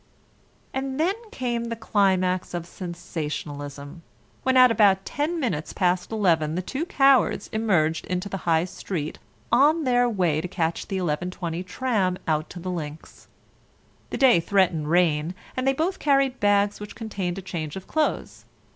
And then came the climax of sensationalism, when at about ten minutes past eleven the two cowards emerged into the High Street on their way to catch the 11.20 tram out to the links. The day threatened rain, and they both carried bags which contained a change of clothes.